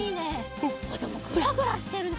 でもグラグラしてるね。